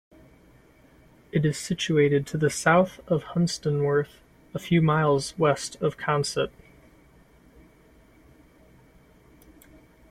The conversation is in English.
It is situated to the south of Hunstanworth, a few miles west of Consett.